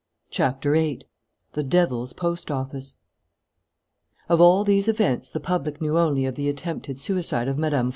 CHAPTER EIGHT THE DEVIL'S POST OFFICE Of all these events the public knew only of the attempted suicide of Mme.